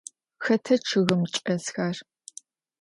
Xeta ççıgım çç'esxer?